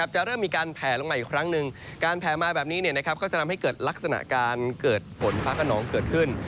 จะเริ่มมีการแผลลงมาอีกครั้งหนึ่งการแผลมาแบบนี้ก็จะทำให้เกิดลักษณะการเกิดฝนฟ้าขนองเกิดขึ้น